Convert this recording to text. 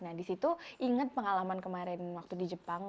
nah di situ ingat pengalaman kemarin waktu di jepang